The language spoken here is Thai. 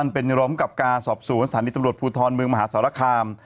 เป็นรองกับการสอบสวนสถานีตำรวจภูทรเมืองมหาสารคาม